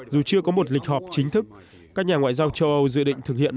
dù chưa có một lịch họp chính thức các nhà ngoại giao châu âu dự định thực hiện